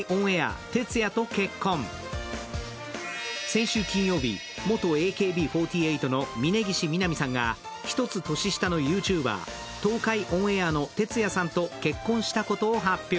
先週金曜日、元ＡＫＢ４８の峯岸みなみさんが１つ年下のＹｏｕＴｕｂｅｒ、東海オンエアのてつやさんと結婚したことを発表。